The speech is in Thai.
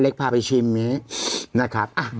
อเล็กพาไปชิมนะครับ